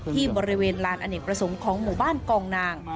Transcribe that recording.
ที่บริเวณลานอเนกประสงค์ของหมู่บ้านกองนาง